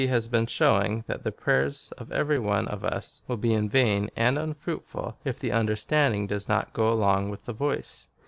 has been showing, that the prayers of every one of us will be vain and unfruitful, if the understanding does not go along with the voice.